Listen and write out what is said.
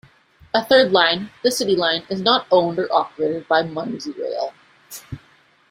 A third line, the City Line, is not owned or operated by Merseyrail.